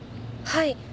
はい。